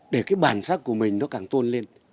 để cái bản sắc của mình nó càng tôn lên